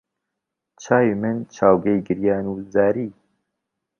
چاوی من چاوگەی گریان و زاری